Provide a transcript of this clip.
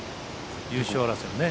優勝争いのね。